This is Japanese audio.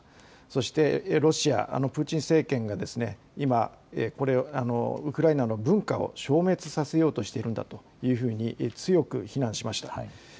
そしてロシア、プーチン政権が今、ウクライナの文化を消滅させようとしているんだというふうに強く非難しました。